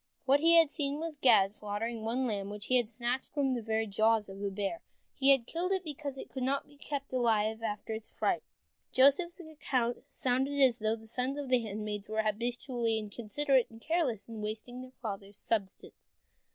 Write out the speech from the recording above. What he had seen was Gad slaughtering one lamb, which he had snatched from the very jaws of a bear, and he killed it because it could not be kept alive after its fright. Joseph's account sounded as though the sons of the handmaids were habitually inconsiderate and careless in wasting their father's substance.